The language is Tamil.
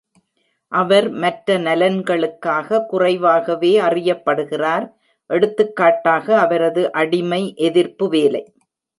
அவர் மற்ற நலன்களுக்காக குறைவாகவே அறியப்படுகிறார், எடுத்துக்காட்டாக அவரது அடிமை எதிர்ப்பு வேலை.